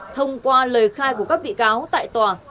thông qua lời khai của các bị cáo tại tòa